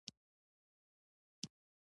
ازادي راډیو د مالي پالیسي کیسې وړاندې کړي.